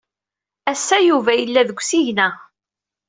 Ass-a Yuba yella deg usigna.